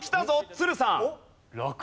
都留さん。